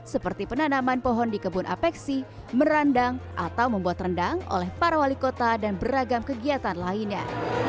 seperti penanaman pohon di kebun apeksi merandang atau membuat rendang oleh para wali kota dan beragam kegiatan lainnya